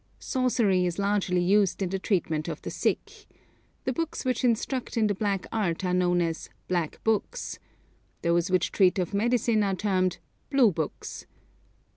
Sorcery is largely used in the treatment of the sick. The books which instruct in the black art are known as 'black books.' Those which treat of medicine are termed 'blue books.'